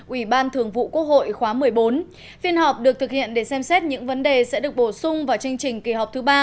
ubthq một mươi bốn phiên họp được thực hiện để xem xét những vấn đề sẽ được bổ sung vào chương trình kỳ họp thứ ba